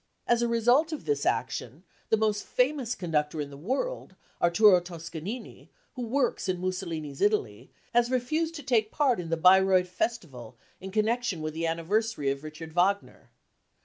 As a result of this action, the most famous conductor in the world, Arthuro Toscanini, who works in Mussolini's Italy, has refused to take part in the Bayreuth festival in con nection with the anniversary of Richard Wagner.